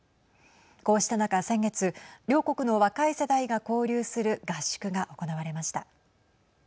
こうした中、先月両国の若い世代が交流する合宿が行われました。